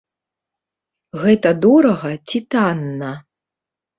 Гэта дорага ці танна?